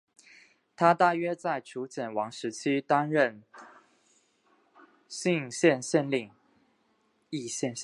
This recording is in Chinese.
他大约在楚简王时期担任圉县县令。